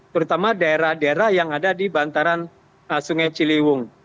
terutama daerah daerah yang ada di bantaran sungai ciliwung